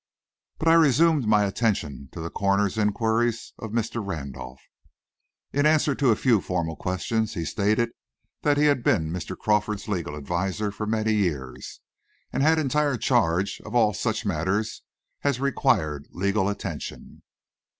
But I resumed my attention to the coroner's inquiries of Mr. Randolph. In answer to a few formal questions, he stated that he had been Mr. Crawford's legal adviser for many years, and had entire charge of all such matters as required legal attention.